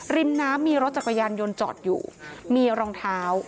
ริมน้ำมีรถจักรยานยนต์จอดอยู่มีรองเท้า